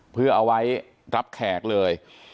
เพื่อเอาไว้รับแขกเลย